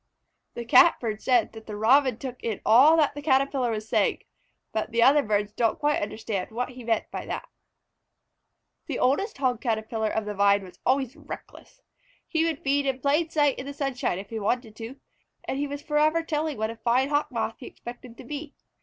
The Catbird said that the Robin took in all that the Caterpillar was saying, but the other birds didn't quite understand what he meant by that. The oldest Hog Caterpillar of the Vine was always reckless. He would feed in plain sight in the sunshine if he wanted to, and he was forever telling what a fine Hawk Moth he expected to be.